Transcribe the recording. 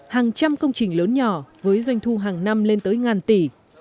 hàng trăm công trình lớn nhỏ với doanh thu hàng năm lên tới ngàn tỷ